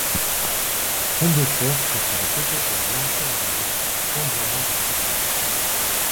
Combeferre préférait peut-être la blancheur du beau au flamboiement du sublime.